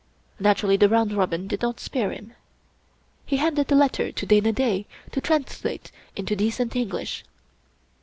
Naturally the round robin did not spare him. He handed the letter to Dana Da to translate into decent English.